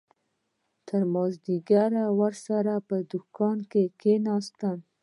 تر مازديگره ورسره په دوکان کښې کښېناستم.